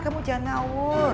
kamu jangan ngawur